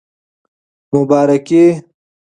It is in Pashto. مبارکي